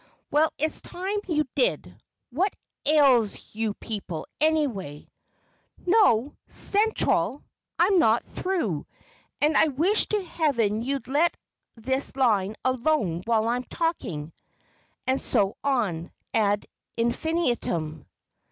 Well, it's time you did. What ails you people, anyway? No!! Central!!! I'm not through, and I wish to heaven you'd let this line alone when I'm talking," and so on, ad infinitum.